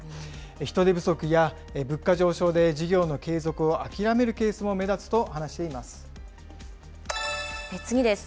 人手不足や物価上昇で事業の継続を諦めるケースも目立つと話して次です。